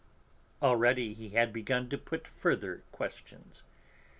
Already he had begun to put further questions.